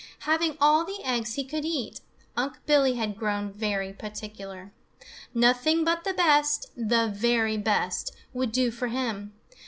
Having all the eggs he could eat, Unc' Billy had grown very particular. Nothing but the best, the very best, would do for him.